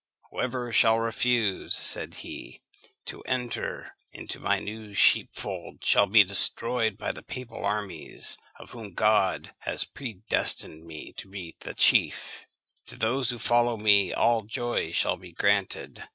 "Whoever shall refuse," said he, "to enter into my new sheepfold shall be destroyed by the papal armies, of whom God has predestined me to be the chief. To those who follow me all joy shall be granted.